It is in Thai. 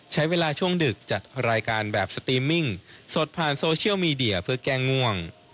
ใช้เวลาช่วงดึกจัดรายการแบบสตรีมมิ่งสดผ่านโซเชียลมีเดียเพื่อแก้ง่วง